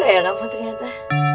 bisa juga ya ngapain ternyata